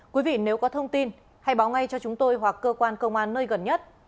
quý vị nếu có thông tin hãy báo ngay cho chúng tôi hoặc cơ quan công an nơi gần nhất